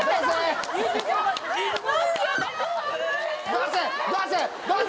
出せ！